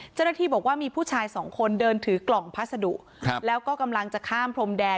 เจ้าหน้าที่บอกว่ามีผู้ชายสองคนเดินถือกล่องพัสดุแล้วก็กำลังจะข้ามพรมแดน